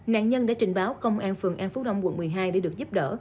nạn nhân đã trình báo công an phường an phú đông quận một mươi hai để được giúp đỡ